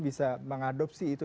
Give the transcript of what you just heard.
bisa mengadopsi itu